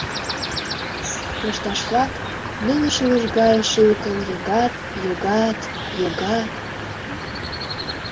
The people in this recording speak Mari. Лышташ-влак неле шӱлыш гае шӱлыкын йогат, йогат, йогат…